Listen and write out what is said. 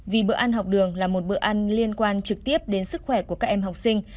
vì bữa ăn học đường là một bữa ăn liên quan trực tiếp đến sức khỏe của các em học sinh